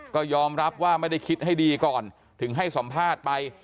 ก็ยอมรับว่าไม่ได้คิดให้ดีก่อนถึงให้สัมภาษณ์ไป